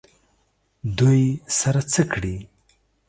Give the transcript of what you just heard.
دوی سره څه کړي؟